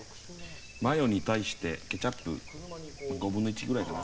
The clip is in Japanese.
マヨに対してケチャップ５分の１くらいかな。